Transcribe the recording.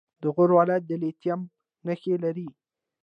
د غور ولایت د لیتیم نښې لري.